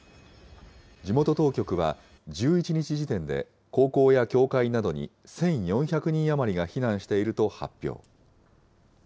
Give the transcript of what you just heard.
地元当局は、１１日時点で高校や教会などに１４００人余りが避難していると発表。